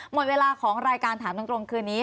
หมดเวลาของรายการถามตรงคืนนี้